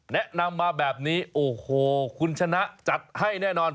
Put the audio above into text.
แนะนำมาแบบนี้โอ้โหคุณชนะจัดให้แน่นอน